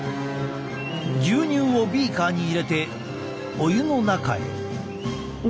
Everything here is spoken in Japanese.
牛乳をビーカーに入れてお湯の中へ！